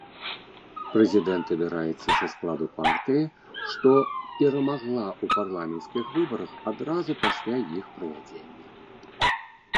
Прэзідэнт абіраецца са складу партыі, што перамагла ў парламенцкіх выбарах адразу пасля іх правядзення.